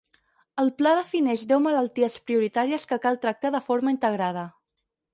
El Pla defineix deu malalties prioritàries que cal tractar de forma integrada.